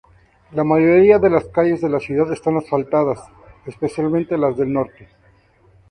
La mayoría de las calles de la ciudad están asfaltadas, especialmente las del norte.